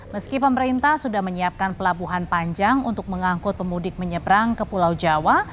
meski pemerintah sudah menyiapkan pelabuhan panjang untuk mengangkut pemudik menyeberang ke pulau jawa